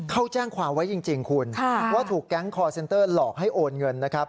เขาแจ้งความไว้จริงคุณว่าถูกแก๊งคอร์เซ็นเตอร์หลอกให้โอนเงินนะครับ